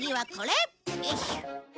よいしょ！